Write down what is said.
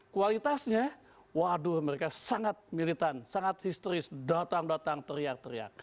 kualitasnya waduh mereka sangat militan sangat histeris datang datang teriak teriak